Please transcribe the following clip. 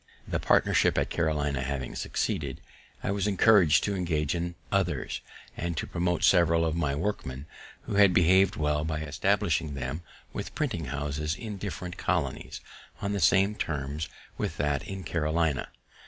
The partnership at Carolina having succeeded, I was encourag'd to engage in others, and to promote several of my workmen, who had behaved well, by establishing them with printing houses in different colonies, on the same terms with that in Carolina.